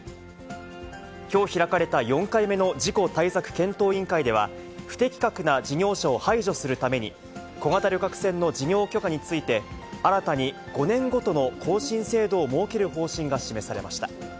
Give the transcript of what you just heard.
きょう開かれた４回目の事故対策検討委員会では、不適格な事業者を排除するために、小型旅客船の事業許可について、新たに５年ごとの更新制度を設ける方針が示されました。